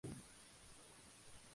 La posición de Finlandia era compleja.